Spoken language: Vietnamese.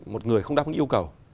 một người không đáp ứng yêu cầu